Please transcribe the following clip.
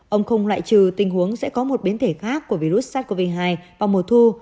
ông không loại trừ tình huống sẽ có một biến thể khác của virus sars cov hai vào mùa thu